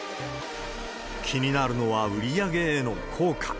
気になるのは売り上げへの効果。